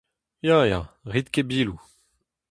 Ya, ya, rit ket biloù !